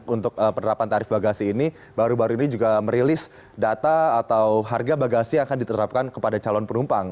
untuk penerapan tarif bagasi ini baru baru ini juga merilis data atau harga bagasi yang akan diterapkan kepada calon penumpang